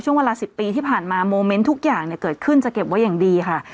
เวลา๑๐ปีที่ผ่านมาโมเมนต์ทุกอย่างเกิดขึ้นจะเก็บไว้อย่างดีค่ะ